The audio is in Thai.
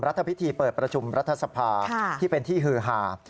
รัฐพิธีเปิดประชุมรัฐสภาที่เป็นที่ฮือหา